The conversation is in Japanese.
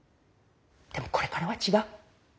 でもこれからは違う。